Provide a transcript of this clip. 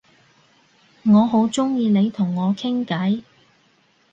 我好鍾意你同我傾偈